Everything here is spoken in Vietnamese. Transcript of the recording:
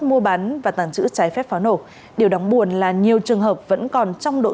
mua bán và tàn trữ trái phép pháo nổ điều đóng buồn là nhiều trường hợp vẫn còn trong độ tuổi